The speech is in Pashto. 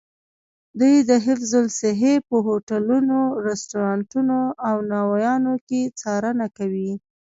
دوی د حفظ الصحې په هوټلونو، رسټورانتونو او نانوایانو کې څارنه کوي.